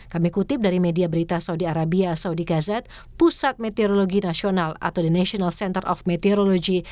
kami kutip dari media berita saudi arabia saudi gazat pusat meteorologi nasional atau the national center of meteorologi